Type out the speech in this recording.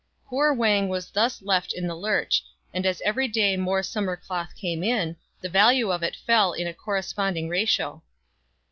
Poor Wang was thus left in the lurch, and as every day more summer cloth came in, the value of it fell in a corresponding ratio.